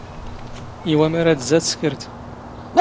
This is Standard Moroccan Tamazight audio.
ⵉⵡⴰ ⵎⴰ ⵔⴰⴷ ⵣⴰ ⵜⵙⴽⵔⴷ.